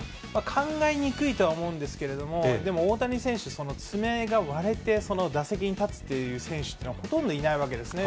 考えにくいとは思うんですけれども、でも大谷選手、爪が割れて、その打席に立つという選手というのは、ほとんどいないわけですね。